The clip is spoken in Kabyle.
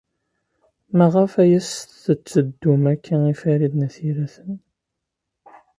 Maɣef ay as-tetteddum akka i Farid n At Yiraten?